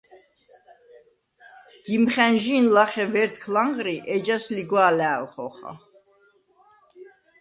გიმხა̈ნჟი̄ნ ლახე ვერთქლ ანღრი, ეჯას ლიგვა̄ლა̄̈ლ ხოხა.